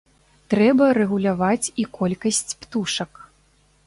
Трэба рэгуляваць і колькасць птушак.